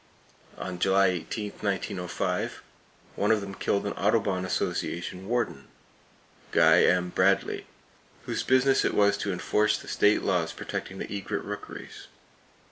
On July 8, 1905, one of them killed an Audubon Association Warden, Guy M. Bradley, whose business it was to enforce the state laws protecting the egret rookeries.